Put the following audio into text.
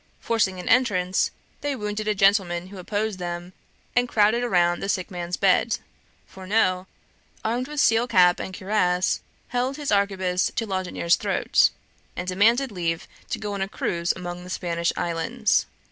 Forcing an entrance, they wounded a gentleman who opposed them, and crowded around the sick man's bed. Fourneaux, armed with steel cap and cuirass, held his arquebuse to Laudonniere's throat, and demanded leave to go on a cruise among the Spanish islands.